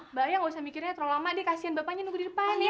mbak aya nggak usah mikirnya terlalu lama deh kasihan bapaknya nunggu di depan ya